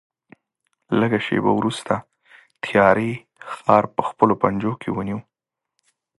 لږ شېبه وروسته تیارې ښار په خپلو پنجو کې ونیو.